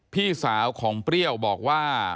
พี่สาวของเปรี้ยวบอกว่า